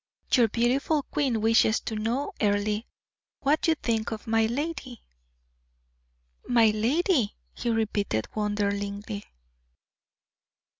"Your beautiful queen wishes to know, Earle, what you think of my lady?" "My lady!" he repeated wonderingly.